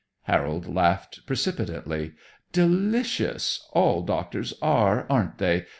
Harold laughed precipitately. "Delicious! All doctors are, aren't they?